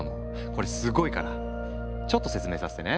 これすごいからちょっと説明させてね。